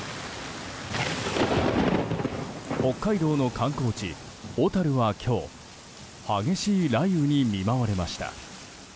北海道の観光地・小樽は今日激しい雷雨に見舞われました。